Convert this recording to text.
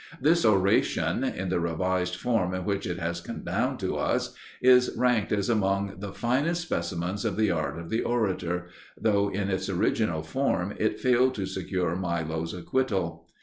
This oration, in the revised form in which it has come down to us, is ranked as among the finest specimens of the art of the orator, though in its original form it failed to secure Milo's acquittal.